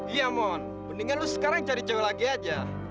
iya mon mendingan lo sekarang cari cowok lagi aja